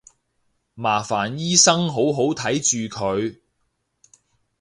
麻煩醫生好好睇住佢